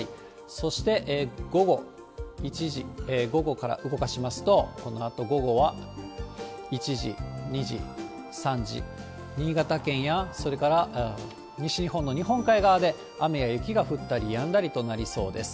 そして午後１時、午後から動かしますと、このあと午後は、１時、２時、３時、新潟県や、それから西日本の日本海側で雨や雪が降ったりやんだりとなりそうです。